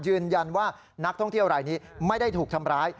ยืนยันว่านักท่องเที่ยวรายนี้ไม่ได้ถูกทำร้าย